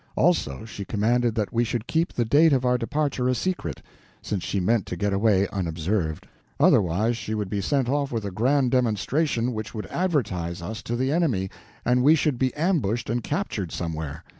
Also, she commanded that we should keep the date of our departure a secret, since she meant to get away unobserved. Otherwise we should be sent off with a grand demonstration which would advertise us to the enemy, and we should be ambushed and captured somewhere.